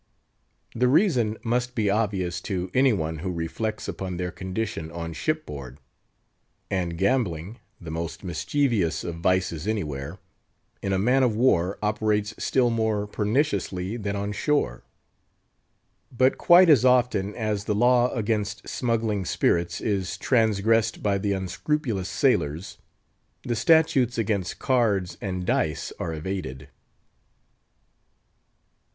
The reason must be obvious to any one who reflects upon their condition on shipboard. And gambling—the most mischievous of vices anywhere—in a man of war operates still more perniciously than on shore. But quite as often as the law against smuggling spirits is transgressed by the unscrupulous sailors, the statutes against cards and dice are evaded.